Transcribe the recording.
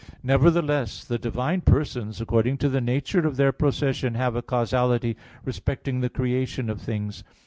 Nevertheless the divine Persons, according to the nature of their procession, have a causality respecting the creation of things.